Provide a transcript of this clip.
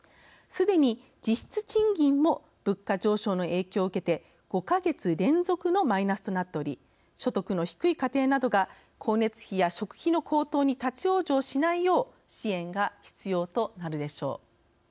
すでに実質賃金も物価上昇の影響を受けて５か月連続のマイナスとなっており所得の低い家庭などが光熱費や食費の高騰に立ち往生しないよう支援が必要となるでしょう。